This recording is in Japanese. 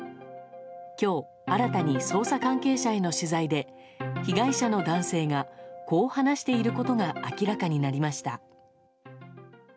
今日、新たに捜査関係者への取材で被害者の男性がこう話していることが明らかになりました。